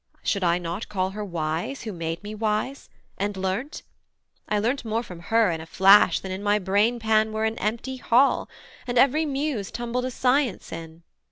Should I not call her wise, who made me wise? And learnt? I learnt more from her in a flash, Than in my brainpan were an empty hull, And every Muse tumbled a science in.